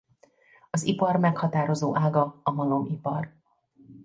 Az ipar meghatározó ága a malomipar.